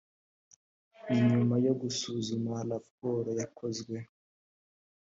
ni nyuma yo gusuzuma raporo yakozwe